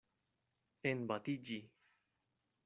Enbatiĝi.